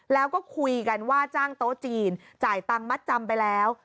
แล้วก็คุยกันว่าจ้างโต๊ะจีนจ่ายตังค์มัดจำไปแล้ว